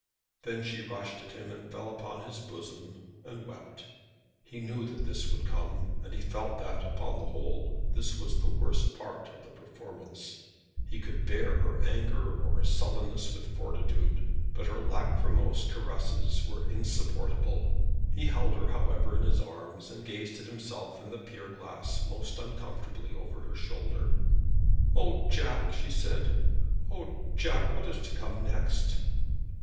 Then she rushed at him, and fell upon his bosom, and wept. He knew that this would come, and he felt that, upon the whole, this was the worst part of the performance. He could bear her anger or her sullenness with fortitude, but her lachrymose caresses were insupportable. He held her, however, in his arms, and gazed at himself in the pier glass most uncomfortably over her shoulder. "Oh, Jack," she said, "oh, Jack, what is to come next?"